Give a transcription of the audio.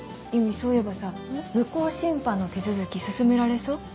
そういえばさ無効審判の手続き進められそう？